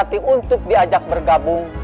berarti untuk diajak bergabung